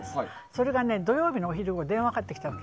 それが土曜日のお昼ごろ電話かかってきたの。